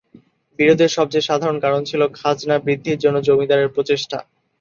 বিরোধের সবচেয়ে সাধারণ কারণ ছিল খাজনা বৃদ্ধির জন্য জমিদারদের প্রচেষ্টা।